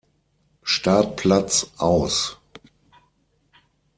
Startplatz aus.